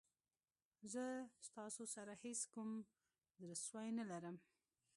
زه ستاسو سره هېڅ کوم زړه سوی نه لرم.